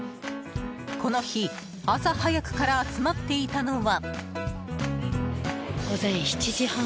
この日、朝早くから集まっていたのは。